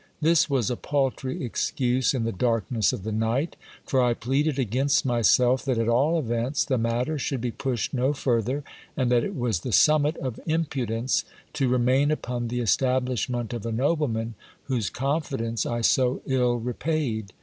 This was a paltry excuse in the darkness of the night, for I pleaded against myself that at all events the matter should be pushed no further, and that it was the summit of impudence to I remain upon the establishment of a nobleman whose confidence I so ill repaid.